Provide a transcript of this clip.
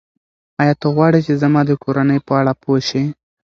ایا ته غواړې چې زما د کورنۍ په اړه پوه شې؟